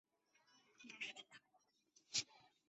山西黄芩为唇形科黄芩属下的一个种。